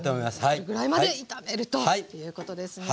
それぐらいまで炒めるということですね。